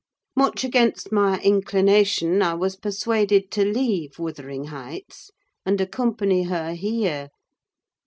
Much against my inclination, I was persuaded to leave Wuthering Heights and accompany her here.